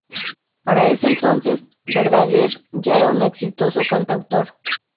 Para ese entonces, Verdaguer ya era un exitoso cantautor.